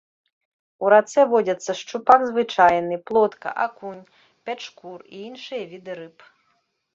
У рацэ водзяцца шчупак звычайны, плотка, акунь, пячкур і іншыя віды рыб.